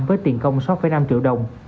với tiền công sáu năm triệu đồng